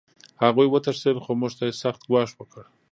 هغوی وتښتېدل خو موږ ته یې سخت ګواښ وکړ